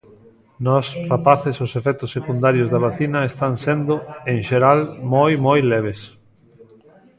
Nos rapaces, os efectos secundarios da vacina están sendo, en xeral, moi, moi leves.